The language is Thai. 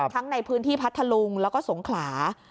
ทั้งในพื้นที่พัทธลุงแล้วก็สงขลา